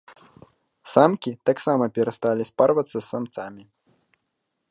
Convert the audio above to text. Самкі таксама перасталі спарвацца з самцамі.